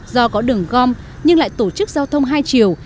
do có đường gom nhưng lại tổ chức giao thông hai chiều